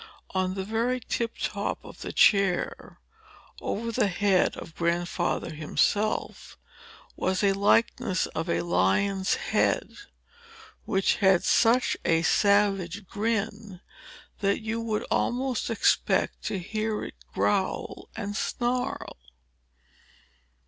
On the very tiptop of the chair, over the head of Grandfather himself, was a likeness of a lion's head, which had such a savage grin that you would almost expect to hear it growl and snarl.